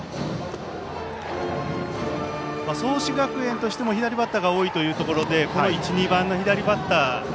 創志学園としても左バッターが多いということでこの１、２番の左バッター